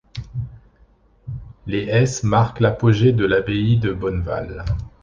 Les s marquent l’apogée de l’abbaye de Bonneval.